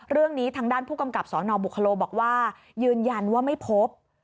เรื่องนี้ทางด้านผู้กำกับสนบุคโลบอกว่ายืนยันว่าไม่พบ